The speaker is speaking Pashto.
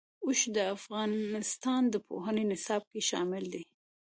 اوښ د افغانستان د پوهنې نصاب کې شامل دي.